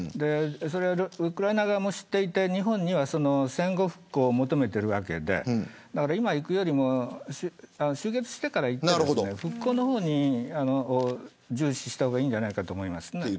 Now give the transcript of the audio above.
ウクライナ側もそれを知っていて日本には戦後復興を求めているわけで今、行くよりも終結してから行った方が復興の方に重視した方がいいんじゃないかと思います。